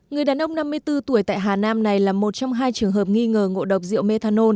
người đàn ông năm mươi bốn tuổi tại hà nam này là một trong hai trường hợp nghi ngờ ngộ độc rượu methanol